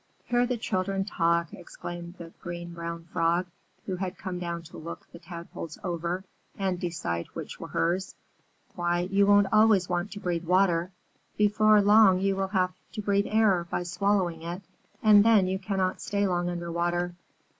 "Hear the children talk," exclaimed the Green Brown Frog, who had come down to look the Tadpoles over and decide which were hers. "Why, you won't always want to breathe water. Before long you will have to breathe air by swallowing it, and then you cannot stay long under water.